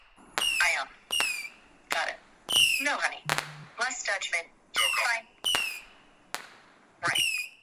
Ensemble, which performs new compositions for full orchestra.